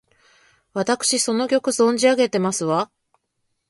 わたくしその曲、存じ上げてますわ！